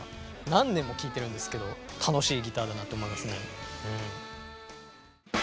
何年も聴いてるんですけど楽しいギターだなと思いますね。